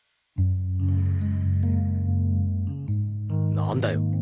何だよ？